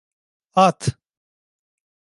At!